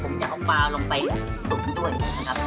ผมจะเอาปลาลงไปตุ๋นด้วยนะครับ